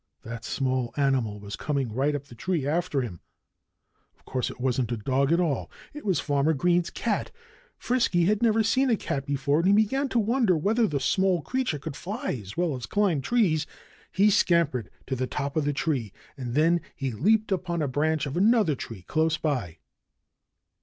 That small animal was coming right up the tree after him! Of course, it wasn't a dog at all. It was Farmer Green's cat. Frisky had never seen a cat before and he began to wonder whether the small creature could fly, as well as climb trees. He scampered to the top of the tree; and then he leaped upon a branch of another tree close by.